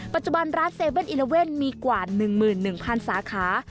ปัจจุบันร้าน๗๑๑มีกว่า๑๑๐๐สาขา